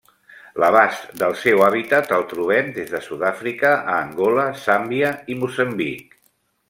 L'abast del seu hàbitat el trobem des de Sud-àfrica a Angola, Zàmbia i Moçambic.